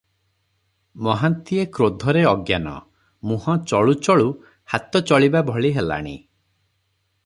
ମହାନ୍ତିଏ କ୍ରୋଧରେ ଅଜ୍ଞାନ, ମୁହଁ ଚଳୁ ଚଳୁ ହାତ ଚଳିବା ଭଳି ହେଲାଣି ।